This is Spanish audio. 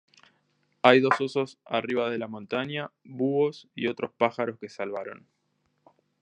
Hay dos osos arriba de la montaña, búhos y otros pájaros que salvaron.